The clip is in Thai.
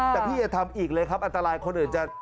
แต่พี่อย่าทำอีกเลยครับอันตรายคนอื่นจะ